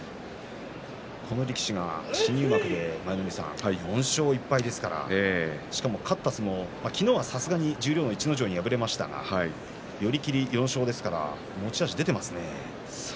この力士が新入幕で４勝１敗ですからしかも勝った相撲、昨日はさすがに十両の逸ノ城に敗れましたが寄り切りで４勝ですから持ち味が出ていますね。